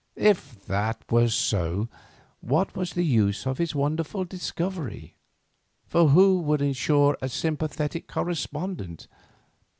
If that were so, what was the use of his wonderful discovery, for who could ensure a sympathetic correspondent?